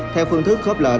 theo phương thức khớp lệnh